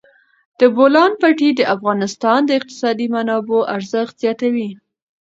د بولان پټي د افغانستان د اقتصادي منابعو ارزښت زیاتوي.